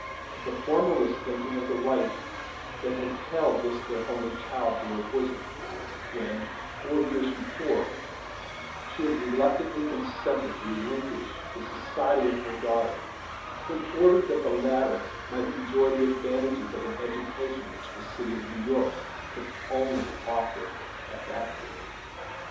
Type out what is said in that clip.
The former was thinking of the wife that had held this their only child to her bosom, when, four years before, she had reluctantly consented to relinquish the society of her daughter in order that the latter might enjoy the advantages of an education which the city of New York could only offer at that period.